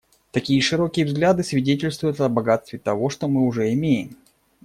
Такие широкие взгляды свидетельствуют о богатстве того, что мы уже имеем.